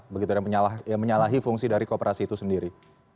begitu ada yang menyalahi fungsi dari kooperasi itu sendiri